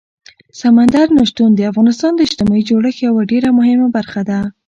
سمندر نه شتون د افغانستان د اجتماعي جوړښت یوه ډېره مهمه برخه ده.